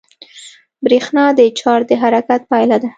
برېښنا د چارج د حرکت پایله ده.